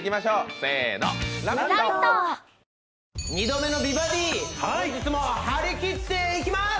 ２度目の美バディ本日も張り切っていきます！